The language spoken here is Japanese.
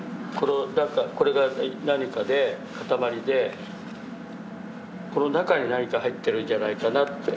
これが何かで塊でこの中に何か入ってるんじゃないかなって。